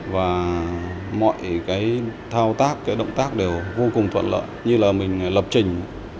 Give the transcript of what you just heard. và mọi cái thao tác cái động tác đều vô cùng thuận lợi như là mình lập trình